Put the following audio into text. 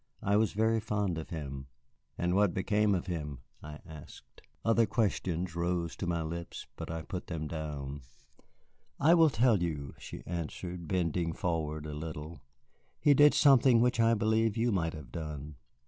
I was very fond of him." "And what became of him?" I asked. Other questions rose to my lips, but I put them down. "I will tell you," she answered, bending forward a little. "He did something which I believe you might have done.